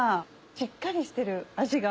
しっかりしてる味が。